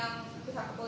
ya angelina dari kampung